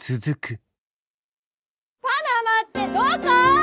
パナマってどこ！？